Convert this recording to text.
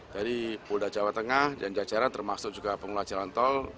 dari polda jawa tengah dan jajaran termasuk juga pengelola jalan tol